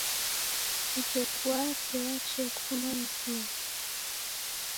Mkeku wape wachee kufuma mzinyi.